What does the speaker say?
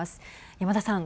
山田さん。